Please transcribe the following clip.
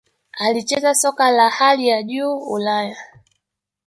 alicheza soka la hali ya Juu Ulaya